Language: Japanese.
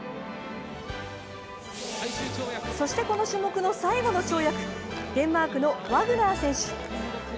そして、この種目の最後の跳躍デンマークのワグナー選手。